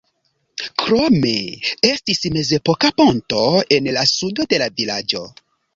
Krome estis mezepoka ponto en la sudo de la vilaĝo.